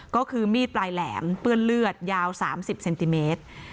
ก็คือมีดปลายแหลมเปื้อนเลือดยาว๓๐เซนติเมตร